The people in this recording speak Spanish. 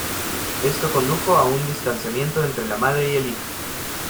Esto condujo a un distanciamiento entre la madre y el hijo.